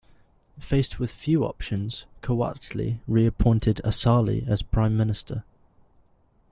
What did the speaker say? Faced with few options, Quwatli reappointed Asali as Prime Minister.